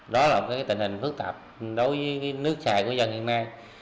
đó là cái tình hình phức tạp đối với nước chạy của dân hiện nay